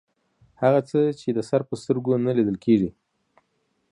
هغه څه چې د سر په سترګو نه لیدل کیږي